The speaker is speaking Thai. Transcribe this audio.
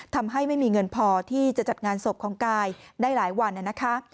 ทำให้ไม่มีเงินพอที่จะจัดงานศพของกายได้หลายวันนะคะ